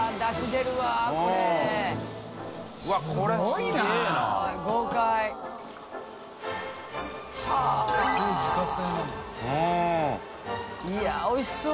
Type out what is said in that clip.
いやぁおいしそう。